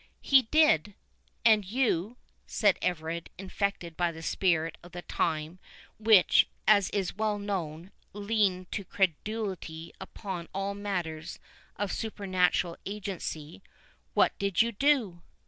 "He did!—and you," said Everard, infected by the spirit of the time, which, as is well known, leaned to credulity upon all matters of supernatural agency,—"what did you do?"